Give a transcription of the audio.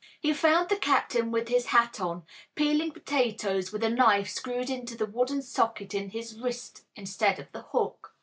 He found the captain with his hat on, peeling potatoes with a knife screwed into the wooden socket in his wrist instead of the hook.